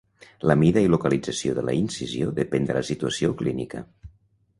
La mida i localització de la incisió depèn de la situació clínica.